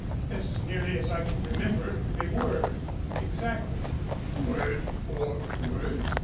"As nearly as I can remember, they were, exactly." "Word for word?"